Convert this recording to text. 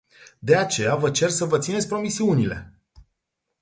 De aceea, vă cer să vă țineți promisiunile!